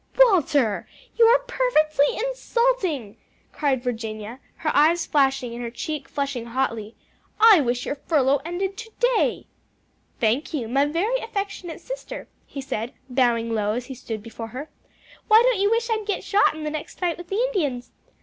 "Walter, you are perfectly insulting," cried Virginia, her eyes flashing and her cheek flushing hotly. "I wish your furlough ended to day." "Thank you, my very affectionate sister," he said, bowing low as he stood before her. "Why don't you wish I'd get shot in the next fight with the Indians?